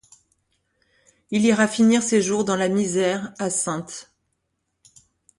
Il ira finir ses jours dans la misère à Saintes.